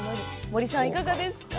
森さん、いかがですか。